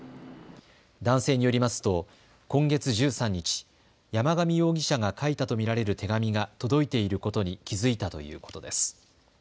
男性によりますと今月１３日、山上容疑者が書いたと見られる手紙が届いていることに気付いたということです。